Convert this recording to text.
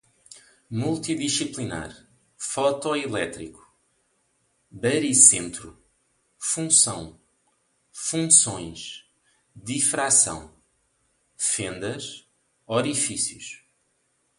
multidisciplinar, fotoelétrico, baricentro, função, funções, difração, fendas, orifícios